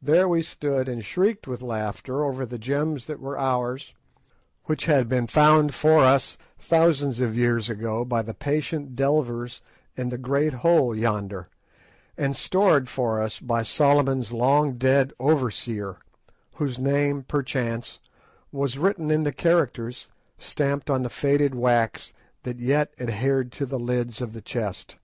There we stood and shrieked with laughter over the gems that were ours, which had been found for us thousands of years ago by the patient delvers in the great hole yonder, and stored for us by Solomon's long dead overseer, whose name, perchance, was written in the characters stamped on the faded wax that yet adhered to the lids of the chest.